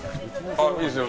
あっ、いいですよ。